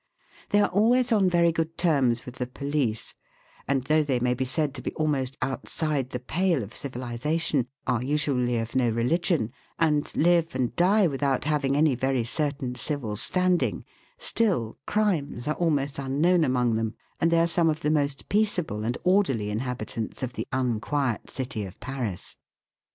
They are always on very good terms with the police, and though they may be said to be almost outside the pale of civilisation, are usually of no religion, and live and die without having any very certain civil standing, still crimes are almost unknown among them, and they are some of the most peaceable and orderly inhabitants of the unquiet city of Paris.